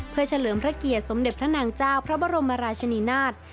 เพื่อเฉลิมพระเกียรติสมเด็จพระนางเจ้าพระบรมราชนีนาฏ